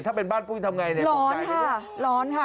ถ้าเป็นบ้านทำอย่างไรลอนค่ะ